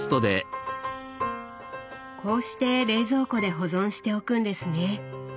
こうして冷蔵庫で保存しておくんですね。